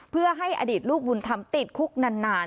เพื่อให้อดีตลูกบุญธรรมติดคุกนาน